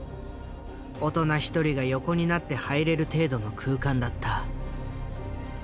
大人１人が横になって入れる程度の空間だった。